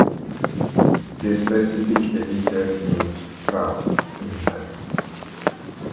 The specific epithet means "proud" in Latin.